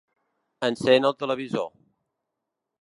Encén el televisor.